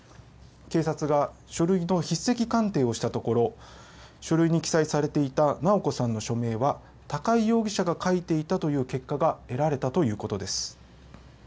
警察が書類と筆跡鑑定をしたところ書類に記載されていた直子さんの署名は高井容疑者が書いていたという結果が得られたということです。